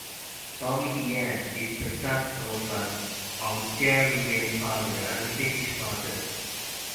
Boumedienne is the son of an Algerian father and a Finnish mother.